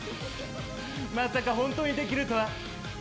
まさか本当にできるとは。